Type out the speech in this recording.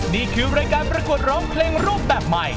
นี่คือรายการประกวดร้องเพลงรูปแบบใหม่